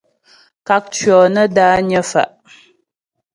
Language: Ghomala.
Kákcyɔ́ nə́ dányə́ fá'.